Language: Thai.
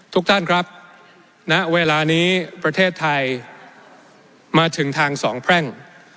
ทุกท่านครับณเวลานี้ประเทศไทยมาถึงทางสองแพร่ง